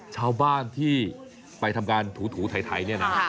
ชาวบ้านที่ไปทำการถูไถเนี่ยนะ